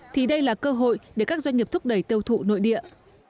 thì đây là cơ hội để các doanh nghiệp thúc đẩy tiêu thụ nội địa